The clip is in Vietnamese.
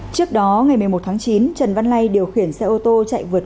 trước đó ngày một mươi một tháng chín trần văn lay điều khiển xe ô tô chạy vượt